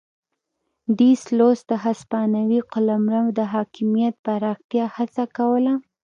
ډي سلوس د هسپانوي قلمرو د حاکمیت پراختیا هڅه کوله.